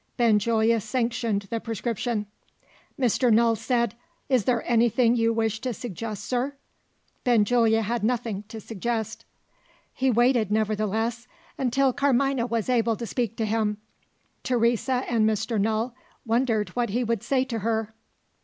Benjulia sanctioned the prescription. Mr. Null said, "Is there anything you wish to suggest, sir?" Benjulia had nothing to suggest. He waited, nevertheless, until Carmina was able to speak to him. Teresa and Mr. Null wondered what he would say to her.